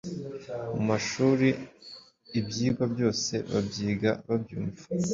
Mu mashuri ibyigwa byose babyiga babyumva.